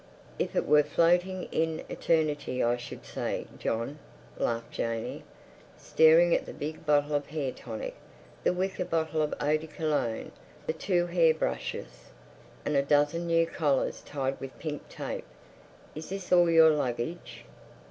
"If it were floating in eternity I should say 'John!'" laughed Janey, staring at the big bottle of hair tonic, the wicker bottle of eau de Cologne, the two hair brushes, and a dozen new collars tied with pink tape. "Is this all your luggage?"